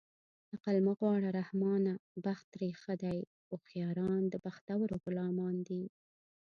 عقل مه غواړه رحمانه بخت ترې ښه دی هوښیاران د بختورو غلامان دي